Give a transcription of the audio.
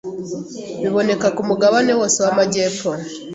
biboneka kumugabane wose wamajyepfo